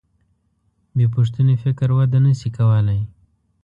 بېپوښتنې فکر وده نهشي کولی.